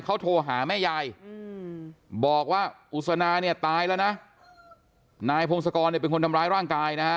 เขาโทรหาแม่ยายบอกว่าอุศนาเนี่ยตายแล้วนะนายพงศกรเนี่ยเป็นคนทำร้ายร่างกายนะฮะ